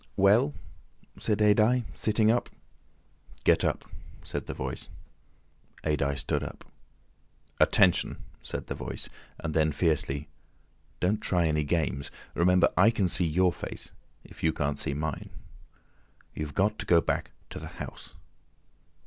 "Well?" said Adye, sitting up. "Get up," said the Voice. Adye stood up. "Attention," said the Voice, and then fiercely, "Don't try any games. Remember I can see your face if you can't see mine. You've got to go back to the house."